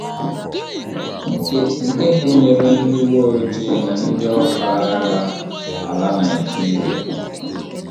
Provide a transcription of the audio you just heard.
nke gụnyere ndị uweojii na ndị ọrụ agha ala Nigeria